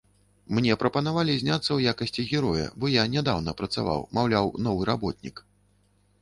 Мне прапанавалі зняцца ў якасці героя, бо я нядаўна працаваў, маўляў, новы работнік.